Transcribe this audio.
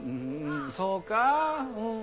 そうかぁ。